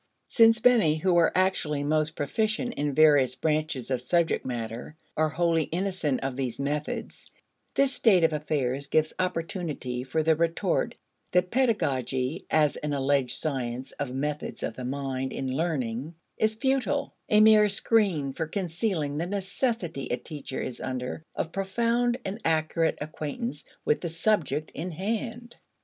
Since many who are actually most proficient in various branches of subject matter are wholly innocent of these methods, this state of affairs gives opportunity for the retort that pedagogy, as an alleged science of methods of the mind in learning, is futile; a mere screen for concealing the necessity a teacher is under of profound and accurate acquaintance with the subject in hand.